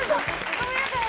ごめんなさい。